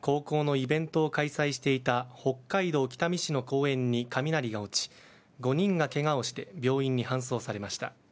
高校のイベントを開催していた北海道北見市の公園に雷が落ち５人がケガをして病院に搬送されました。